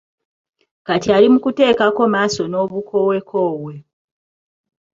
Kati ali mukuteekako maaso n'obukowekowe.